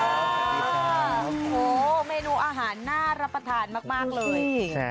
โอ้โหเมนูอาหารน่ารับประทานมากเลย